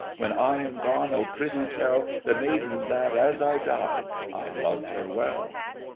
When I am gone, oh, prithee tell The maid that, as I died, I loved her well!